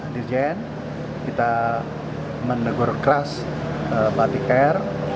di jn kita menegur keras batik air